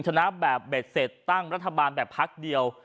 ชนะแบบเบ็ดเสร็จตั้งรัฐบาลแบบพักเดียว